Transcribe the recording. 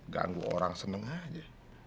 ganggu orang seneng aja